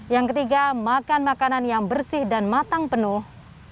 yang ketiga makan makanan yang bersih dan matang penuh